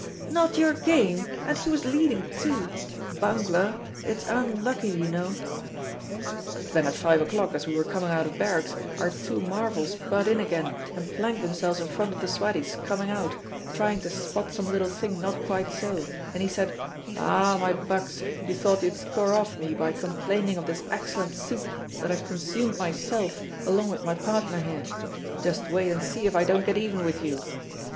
'" "Not your game! And he was leading, too! Bungler! It's unlucky, you know." "Then at five o'clock as we were coming out of barracks, our two marvels butt in again and plank themselves in front of the swaddies coming out, trying to spot some little thing not quite so, and he said, 'Ah, my bucks, you thought you'd score off me by complaining of this excellent soup that I have consumed myself along with my partner here; just wait and see if I don't get even with you.